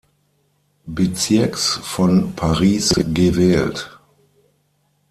Bezirks von Paris gewählt.